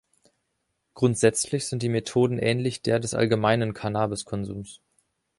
Grundsätzlich sind die Methoden ähnlich der des allgemeinen Cannabis-Konsums.